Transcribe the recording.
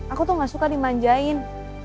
aku tuh gak suka dimanjain